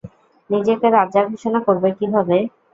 নিজেকে রাজা ঘোষণা করবে কীভাবে?